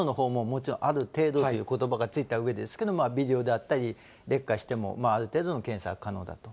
もちろんある程度ということばがついたうえですけれども、微量であったり、劣化しても、ある程度の検査は可能だと。